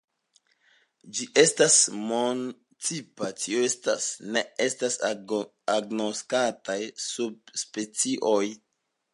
Ĝi estas monotipa, tio estas, ne estas agnoskataj subspecioj.